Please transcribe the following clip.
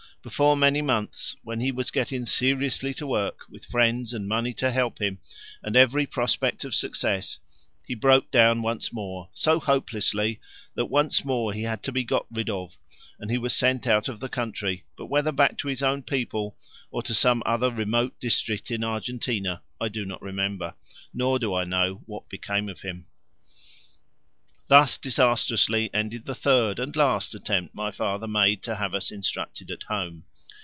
before many months, when he was getting seriously to work, with friends and money to help him and every prospect of success, he broke down once more, so hopelessly that once more he had to be got rid of, and he was sent out of the country, but whether back to his own people or to some other remote district in Argentina I do not remember, nor do I know what became of him. Thus disastrously ended the third and last attempt my father made to have us instructed at home.